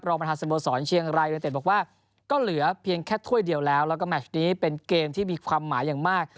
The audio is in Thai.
เราก็แมทช์นี้เป็นเกมที่มีความหมายอย่างมาก